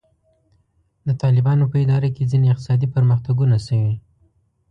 د طالبانو په اداره کې ځینې اقتصادي پرمختګونه شوي.